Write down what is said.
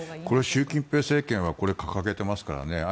これは習近平政権はこれを掲げていますからね。